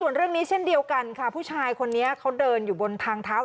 ส่วนเรื่องนี้เช่นเดียวกันค่ะผู้ชายคนนี้เขาเดินอยู่บนทางเท้า